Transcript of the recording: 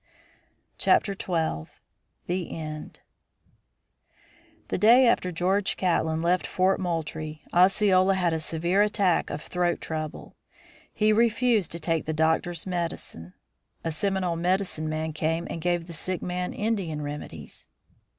XII. THE END The day after George Catlin left Fort Moultrie, Osceola had a severe attack of throat trouble. He refused to take the doctor's medicine. A Seminole medicine man came and gave the sick man Indian remedies.